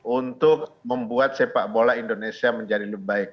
untuk membuat sepak bola indonesia menjadi lebih baik